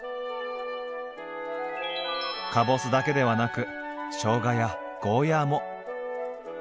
かぼすだけではなくしょうがやゴーヤーも。